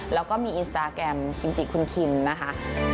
แล้วก็มีอินสตาแกรมกิมจิคุณคิมนะคะ